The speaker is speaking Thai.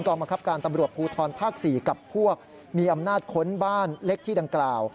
บังคับการตำรวจภูทรภาค๔กับพวกมีอำนาจค้นบ้านเล็กที่ดังกล่าว